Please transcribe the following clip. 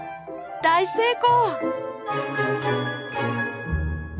大成功！